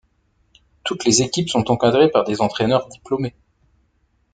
Toutes les équipes sont encadrées par des entraîneurs diplômés.